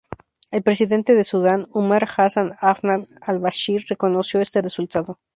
El presidente de Sudán, Umar Hasan Ahmad al-Baschir, reconoció este resultado.